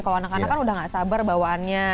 kalau anak anak kan udah gak sabar bawaannya